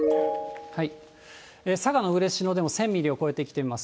佐賀の嬉野でも１０００ミリを超えてきています。